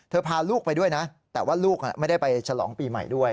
พาลูกไปด้วยนะแต่ว่าลูกไม่ได้ไปฉลองปีใหม่ด้วย